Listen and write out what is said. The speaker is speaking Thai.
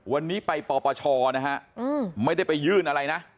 วันนี้ไปปปชนะฮะไม่ได้ไปยื่นอะไรนะ